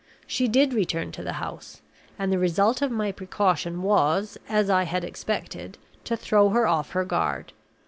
She did return to the house; and the result of my precaution was, as I had expected, to throw her off her guard.